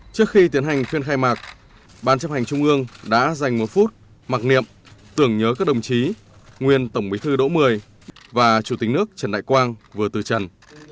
trước khi tiến hành phiên khai mạc ban chấp hành trung ương đã dành một phút mặc niệm tưởng nhớ các đồng chí nguyên tổng bí thư đỗ mười và chủ tịch nước trần đại quang vừa từ trần